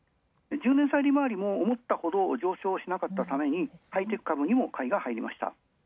１０年債利回りも思ったほど上昇しなかったためにハイテク株に買いが入りました。